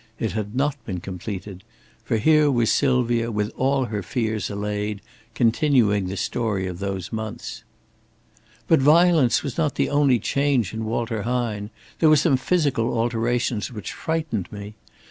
It had not been completed. For here was Sylvia with all her fears allayed, continuing the story of those months. "But violence was not the only change in Walter Hine. There were some physical alterations which frightened me.